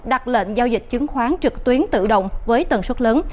đặt lệnh giao dịch chứng khoán trực tuyến tự động với tần suất lớn